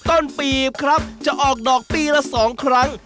ปีบครับจะออกดอกปีละ๒ครั้ง